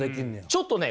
ちょっとね